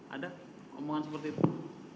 ada omongan seperti itu